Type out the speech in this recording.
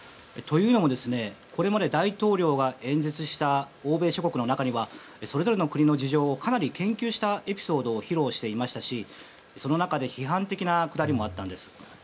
というのも、これまで大統領が演説した欧米諸国の中にはそれぞれの国の事情をかなり研究したエピソードを披露していましたしその中で批判的なくだりもあったんです。